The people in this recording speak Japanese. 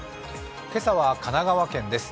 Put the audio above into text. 今朝は神奈川県です。